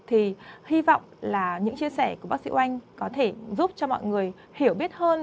thì hy vọng là những chia sẻ của bác sĩ oanh có thể giúp cho mọi người hiểu biết hơn